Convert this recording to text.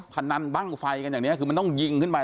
พนันบ้างไฟกันอย่างนี้คือมันต้องยิงขึ้นไป